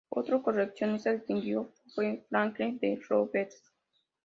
Otro coleccionista distinguido fue Franklin D. Roosevelt.